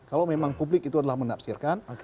kalau memang publik itu adalah menafsirkan